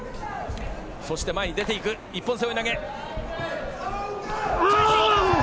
そして前に出ていく一本背負い投げ！